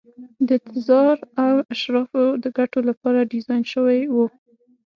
د تزار او اشرافو د ګټو لپاره ډیزاین شوي وو.